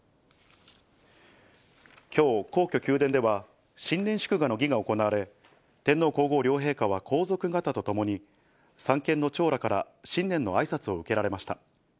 きょう、皇居・宮殿では新年祝賀の儀が行われ、天皇皇后両陛下は皇族方と共に、三権の長らから新年のあいさつを受けられました。